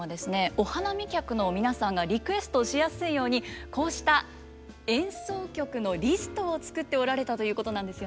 お花見客の皆さんがリクエストしやすいようにこうした演奏曲のリストを作っておられたということなんですよね。